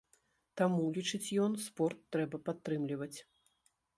Таму, лічыць ён, спорт трэба падтрымліваць.